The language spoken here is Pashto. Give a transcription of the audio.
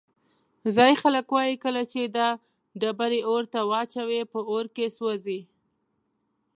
ځایی خلک وایي کله چې دا ډبرې اور ته واچوې په اور کې سوځي.